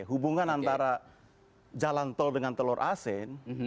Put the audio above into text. hubungan antara jalan tol dengan telur asin